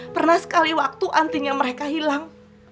pernah sekali waktu antinya mereka hilang